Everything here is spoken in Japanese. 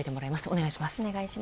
お願いします。